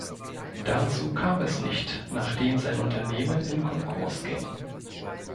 Dazu kam es nicht, nachdem sein Unternehmen in Konkurs ging.